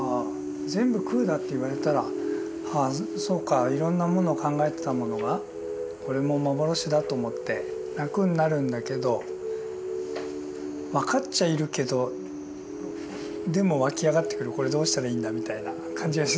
全部空だって言われたらああそうかいろんなもの考えてたものがこれも幻だと思って楽になるんだけど分かっちゃいるけどでも湧き上がってくるこれどうしたらいいんだみたいな感じは。